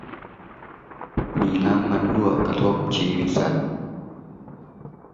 มีน้ำมันรั่ว กระทบชีวิตสัตว์